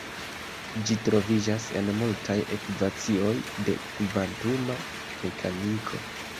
Ĝi troviĝas en multaj ekvacioj de kvantuma mekaniko.